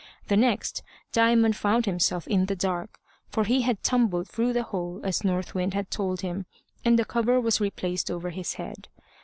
The next, Diamond found himself in the dark, for he had tumbled through the hole as North Wind had told him, and the cover was replaced over his head.